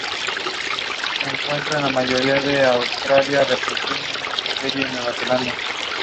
Each team plays the top three teams from the opposing group.